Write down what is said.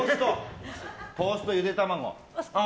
トースト、ゆで卵。